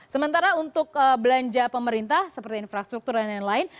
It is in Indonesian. sementara untuk belanja pemerintah seperti infrastruktur dan lain lain